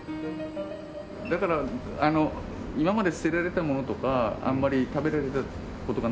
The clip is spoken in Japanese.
だから今まで捨てられていたものとかあんまり食べられる事がない